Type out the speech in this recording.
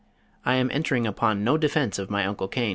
I am entering upon no defense of my Uncle Cain.